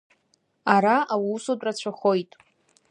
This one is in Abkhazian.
Ара аусутә рацәахоит.